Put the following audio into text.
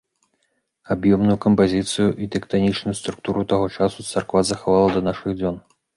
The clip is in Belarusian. Аб'ёмную кампазіцыю і тэктанічную структуру таго часу царква захавала да нашых дзён.